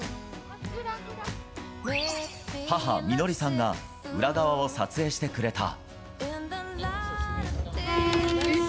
母、美乃りさんが裏側を撮影してくれた。